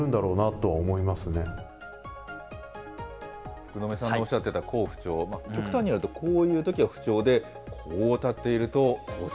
福留さんのおっしゃっていた好不調、極端に言うとこういうときは不調で、こう立っていると好調。